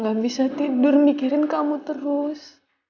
gak bisa tidur mikirin kamu terus